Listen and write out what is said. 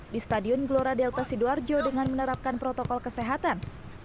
di stadion glora delta sidoarjo dengan menerapkan protokol kesehatan